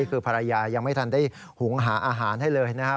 คือภรรยายังไม่ทันได้หุงหาอาหารให้เลยนะครับ